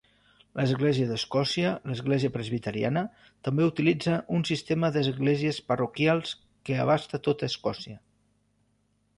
L'església d'Escòcia, l'església presbiteriana, també utilitza un sistema d'esglésies parroquials que abasta tota Escòcia.